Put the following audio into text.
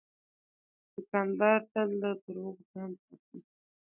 دوکاندار تل له دروغو ځان ساتي.